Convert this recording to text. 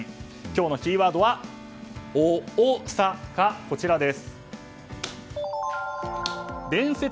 今日のキーワードはオオサカ、こちらです。